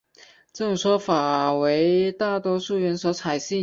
这种说法为大多数人所采信。